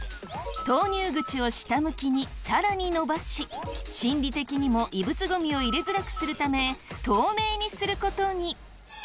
投入口を下向きに更に伸ばし心理的にも異物ゴミを入れづらくするため透明にすることに！